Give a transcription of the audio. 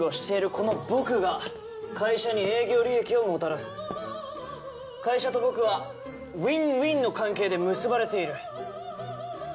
この僕が会社に営業利益をもたらす会社と僕はウィンウィンの関係で結ばれている